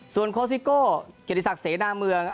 ส่วนโครซิโก่เกดิศักดิ์เสนาเมือง